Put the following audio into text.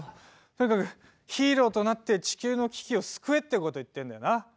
とにかくヒーローとなって地球の危機を救えってことを言ってんだよな。